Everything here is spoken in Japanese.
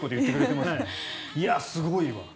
いや、すごいわ。